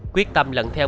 quyết tâm lận theo